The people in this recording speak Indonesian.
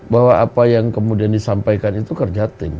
bahwa apa yang kemudian disampaikan itu kerja tim